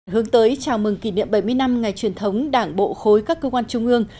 hướng tới chào mừng kỷ niệm bảy mươi năm ngày truyền thống đảng bộ khối các cơ quan trung ương